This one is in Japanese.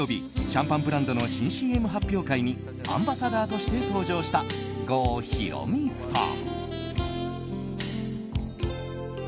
シャンパンブランドの新ＣＭ発表会にアンバサダーとして登場した郷ひろみさん。